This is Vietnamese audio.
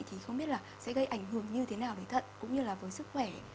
thì không biết là sẽ gây ảnh hưởng như thế nào đến thận cũng như là với sức khỏe